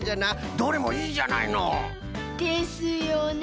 どれもいいじゃないの。ですよね。